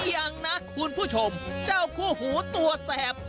ยังนะคุณผู้ชมเจ้าคู่หูตัวแสบ